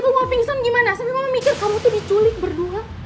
gimana sambil mama mikir kamu tuh diculik berdua